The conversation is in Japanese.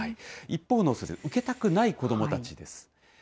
一方の受けたくない子どもたちです。